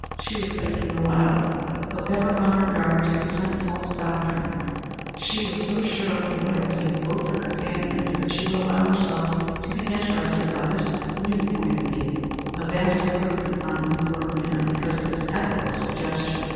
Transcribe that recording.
She was thinking aloud. Though ever on her guard to resent false doctrine, she was so sure of the loyalty of both her companions that she could allow herself to be interested by this new point of view a vast improvement on the New York manner because of its ethical suggestion.